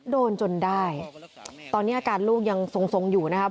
จนได้ตอนนี้อาการลูกยังทรงทรงอยู่นะครับ